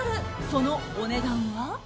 そのお値段は。